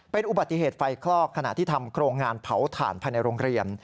เป็นอุบัติเหตุไฟคลอกขณะที่ทำโครงงานเผาถ่านภายในโรงเรียน